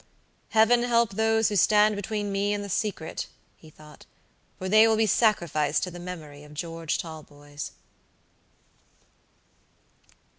"Heaven help those who stand between me and the secret," he thought, "for they will be sacrificed to the memory of George Talboys."